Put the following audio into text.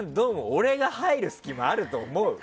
俺が入る隙間あると思う？